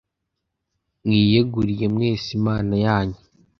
mwiyeguriye mwese imana yanyu